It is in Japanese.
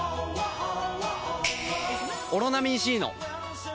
「オロナミン Ｃ」の！